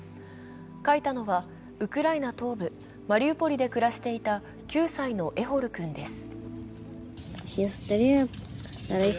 書いたのはウクライナ東部マリウポリで暮らしていた９歳のエホル君です。